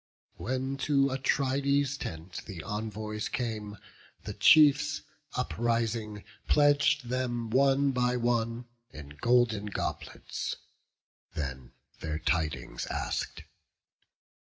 When to Atrides' tent the envoys came, The chiefs, uprising, pledg'd them one by one In golden goblets; then their tidings ask'd.